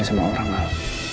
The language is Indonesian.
supaya semua orang alam